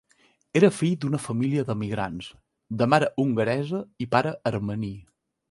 Era fill d'una família d'emigrants, de mare hongaresa i pare armeni.